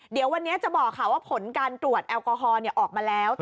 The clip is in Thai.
เดี๋ยววันนี้จะบอกค่ะว่าผลการตรวจแอลกอฮอล์ออกมาแล้ว